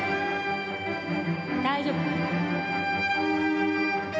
大丈夫。